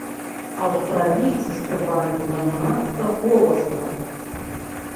Аўстралійцы спяваюць занадта голасна.